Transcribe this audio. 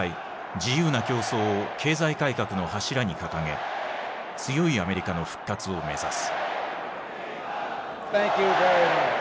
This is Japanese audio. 自由な競争を経済改革の柱に掲げ強いアメリカの復活を目指す。